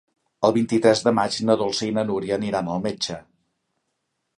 El vint-i-tres de maig na Dolça i na Núria aniran al metge.